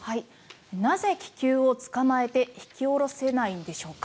なぜ、気球を捕まえて引き下ろせないんでしょうか。